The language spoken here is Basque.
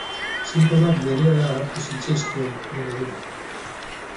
Sintomak berehala agertu zitzaizkion, dena den.